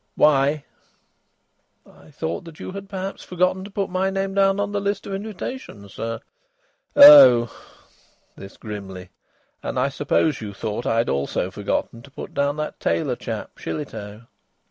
"Why?" "I thought you'd perhaps forgotten to put my name down on the list of invitations, sir." "Oh!" This grimly. "And I suppose you thought I'd also forgotten to put down that tailor chap, Shillitoe?"